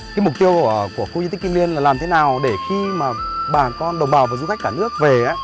cái mục tiêu của khu di tích kim liên là làm thế nào để khi mà bà con đồng bào và du khách cả nước về á